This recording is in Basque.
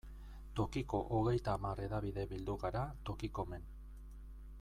Tokiko hogeita hamar hedabide bildu gara Tokikomen.